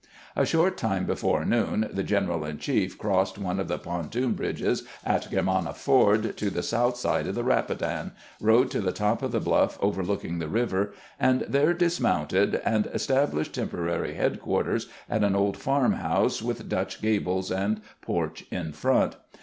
A short time before noon the general in chief crossed one of the pontoon bridges at Germanna Ford to the south side of the Eapidan, rode to the top of the bluff overlooking the river, and there dismounted, and estab lished temporary headquarters at an old farm house with Dutch gables and porch in front.